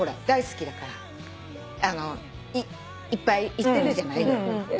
大好きだからいっぱい行ってるじゃない。